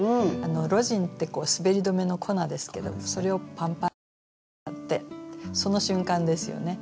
「ロジン」って滑り止めの粉ですけどもそれをパンパンッて手にやってその瞬間ですよね。